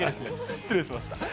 失礼しました。